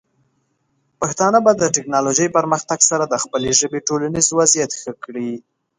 پښتانه به د ټیکنالوجۍ پرمختګ سره د خپلې ژبې ټولنیز وضعیت ښه کړي.